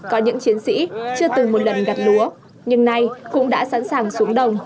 có những chiến sĩ chưa từng một lần đặt lúa nhưng nay cũng đã sẵn sàng xuống đồng